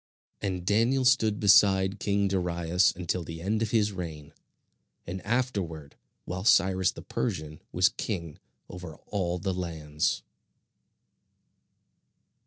And Daniel stood beside king Darius until the end of his reign, and afterward while Cyrus the Persian was king over all the lands.